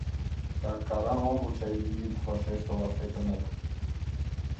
— Так арам огыл чай йӱд вашеш толаш лектынат?